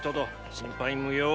心配無用！